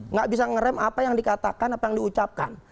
nggak bisa ngerem apa yang dikatakan apa yang diucapkan